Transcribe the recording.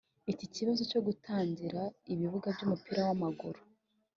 Iki kibazo cyo kutagira ibibuga by’umupira w’amaguru